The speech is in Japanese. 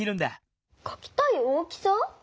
かきたい大きさ？